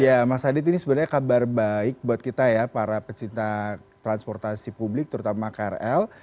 ya mas adit ini sebenarnya kabar baik buat kita ya para pecinta transportasi publik terutama krl